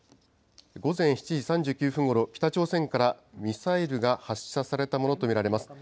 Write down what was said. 午前７時３９分ごろ、北朝鮮からミサイルが発射されたものと見られます。